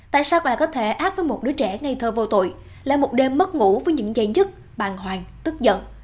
tại sao lại có thể ác với một đứa trẻ ngây thơ vô tội lại một đêm mất ngủ với những dây dứt bàng hoàng tức giận